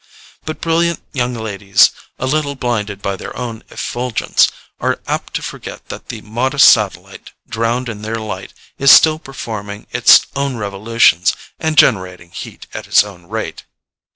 But brilliant young ladies, a little blinded by their own effulgence, are apt to forget that the modest satellite drowned in their light is still performing its own revolutions and generating heat at its own rate.